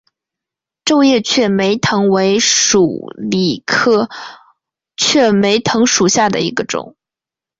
皱叶雀梅藤为鼠李科雀梅藤属下的一个种。